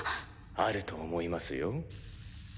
あると思いますよ。